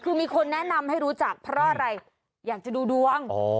คือมีคนแนะนำให้รู้จักเพราะอะไรอยากจะดูดวง